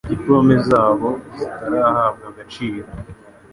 dipolome zabo zari zitarahabwa agaciro